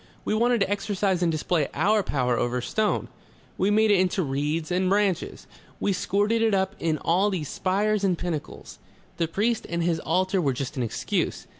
We wanted to exercise and display our power over stone. We made it into reeds and branches. We squirted it up in all these spires and pinnacles. The priest and his altar were just an excuse.